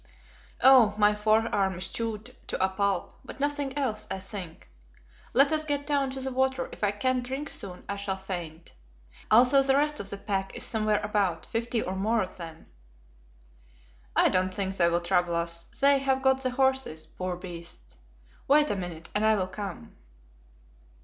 "Oh, my forearm is chewed to a pulp, but nothing else, I think. Let us get down to the water; if I can't drink soon I shall faint. Also the rest of the pack is somewhere about, fifty or more of them." "I don't think they will trouble us, they have got the horses, poor beasts. Wait a minute and I will come."